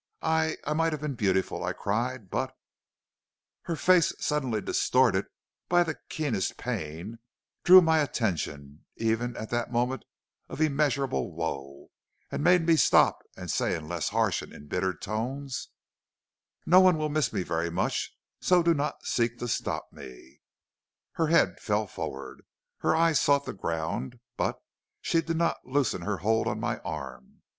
I I might have been beautiful,' I cried, 'but ' "Her face, suddenly distorted by the keenest pain, drew my attention, even at that moment of immeasurable woe, and made me stop and say in less harsh and embittered tones: "'No one will miss me very much, so do not seek to stop me.' "Her head fell forward, her eyes sought the ground, but she did not loosen her hold on my arm.